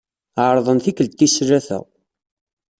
Ɛerḍen tikkelt tis tlata.